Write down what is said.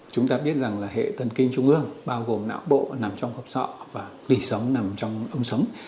chúng ta biết rằng hệ tân kinh trung ương bao gồm não bộ nằm trong hộp sọ và lì sống nằm trong ống sống